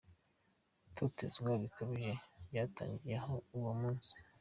Gutotezwa bikabije byatangiriye aho uwo munsi.